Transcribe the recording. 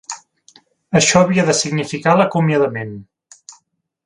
Això havia de significar l'acomiadament.